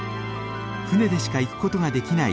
船でしか行くことができない